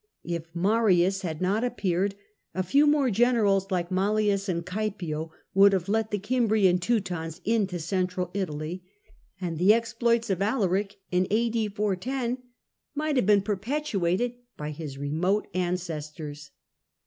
If Marins had not appeared, a few more generals like Mallius and Caepio would have let the Cimbri and Teutons into Central Italy, and the exploits of Alaric in A.D. 410 might have been perpetrated by his remote ancestors.